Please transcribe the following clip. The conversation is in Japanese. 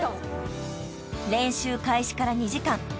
［練習開始から２時間］